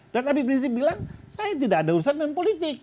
dan nabi ibn zik bilang saya tidak ada urusan dengan politik